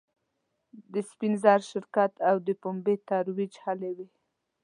د سپین زر شرکت او د پومبې ترویج هلې وې.